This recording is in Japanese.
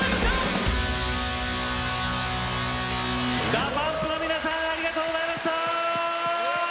ＤＡＰＵＭＰの皆さんありがとうございました。